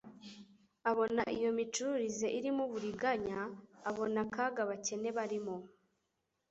Abona iyo micururize irimo uburinganya. Abona akaga abakene barimo,